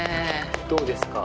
どうですか？